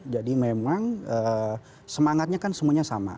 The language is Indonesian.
memang semangatnya kan semuanya sama